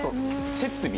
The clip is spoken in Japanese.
設備。